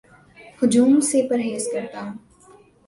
ہجوم سے پرہیز کرتا ہوں